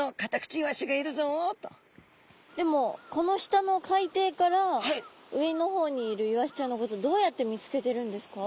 でもこの下の海底から上の方にいるイワシちゃんのことどうやって見つけてるんですか？